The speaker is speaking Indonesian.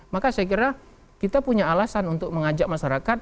maka segera kita punya alasan untuk mengajak masyarakat